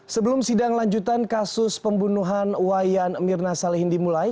sebelum sidang lanjutan kasus pembunuhan wayan mirna salehindi mulai